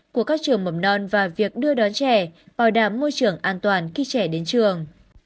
của các trường mầm non và việc đưa đón trẻ bảo đảm môi trường an toàn khi trẻ đến trường